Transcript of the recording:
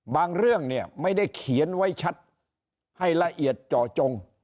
เรื่องเนี่ยไม่ได้เขียนไว้ชัดให้ละเอียดเจาะจง